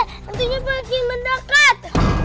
tentunya bagi mendekat